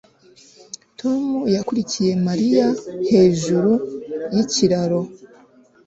Tom yakurikiye Mariya hejuru yikiraro